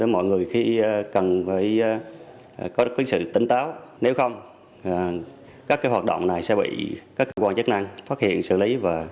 mọi người cần có sự tính táo nếu không các hoạt động này sẽ bị các cơ quan chức năng phát hiện xử lý